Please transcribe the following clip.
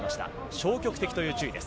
消極的という注意です。